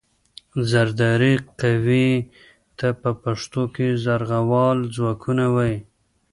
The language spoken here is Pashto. زرهدارې قوې ته په پښتو کې زغروال ځواکونه وايي.